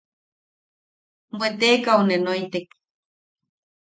–Bwe teekau ne noitek.